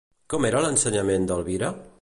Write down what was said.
Com era l'ensenyament d'Elvira?